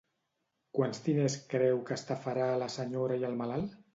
Quants diners creu que estafarà a la senyora i el malalt?